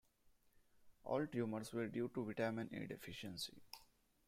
All tumours were due to vitamin A deficiency.